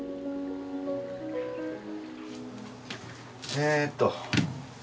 えっと